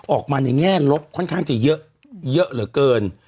ออกมาในแง่ลบค่อนข้างจะเยอะเยอะเหลือเกิน